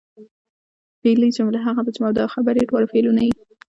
فعلي جمله هغه ده، چي مبتدا او خبر ئې دواړه فعلونه يي.